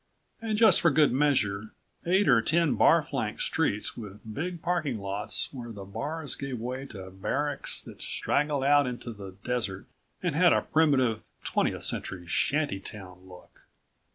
And just for good measure, eight or ten bar flanked streets with big parking lots where the bars gave way to barracks that straggled out into the desert and had a primitive, twentieth century, shanty town look.